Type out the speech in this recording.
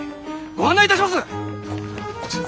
ご案内いたします！